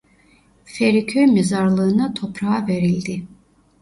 Feriköy Mezarlığı'na toprağa verildi.